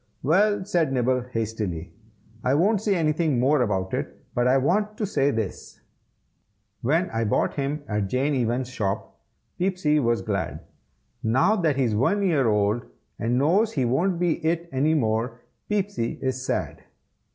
"Well," said Nibble, hastily, "I won't say anything more about it, but I want to say this: "When I bought him at Jane Evans's shop, Peepsy was glad. Now that he is one year old and knows that he won't be it any more, Peepsy is sad."